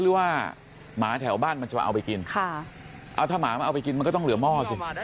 ที่แรกว่าหมาแถวบ้านมันจะเอาไปดินถ้าหมาเอาไปกินมันก็ต้องเหลือม่อดิ